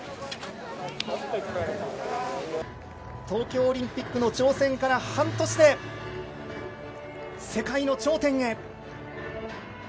東京オリンピックの挑戦から半年で世界の頂点へ。